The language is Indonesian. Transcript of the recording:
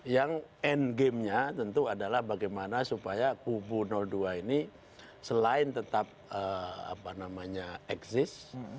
yang endgame nya tentu adalah bagaimana supaya kubu dua ini selain tetap exist